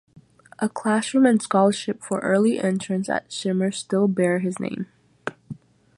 A classroom and scholarship for early entrants at Shimer still bear his name.